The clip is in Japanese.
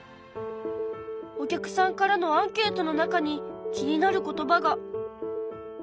お客さんからのアンケートの中に気になる言葉が。